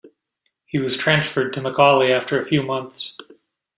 He was transferred to McAuley after a few months.